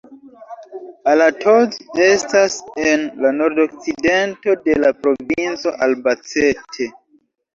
Alatoz estas en la nordokcidento de la provinco Albacete.